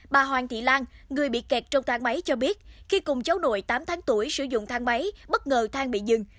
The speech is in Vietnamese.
bà hoàng thị lan người bị kẹt trong thang máy cho biết khi cùng cháu nội tám tháng tuổi sử dụng thang máy bất ngờ thang bị dừng